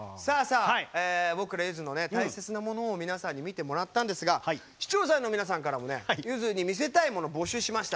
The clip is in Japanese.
僕らゆずの大切なものを皆さんに見てもらったんですが視聴者の皆さんからもゆずに見せたいもの募集しました。